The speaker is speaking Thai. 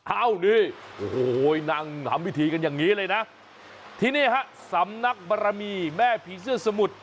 เอ้านี่โอ้โหนั่งทำพิธีกันอย่างนี้เลยนะที่นี่ฮะสำนักบรมีแม่ผีเสื้อสมุทร